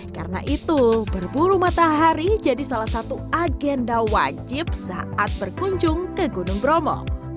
karena itu berburu matahari jadi salah satu agenda wajib saat berkunjung ke gunung bromo